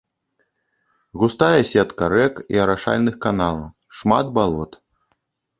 Густая сетка рэк і арашальных каналаў, шмат балот.